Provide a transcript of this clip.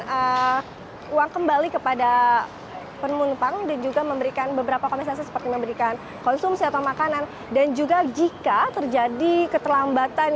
mengapa yang mana yang akan berarti ya kalau kita berikan uang kepada penumpang kita juga memberikan beberapa komensasi seperti memberikan konsumsi atau makanan dan juga jika terjadi keterlambatan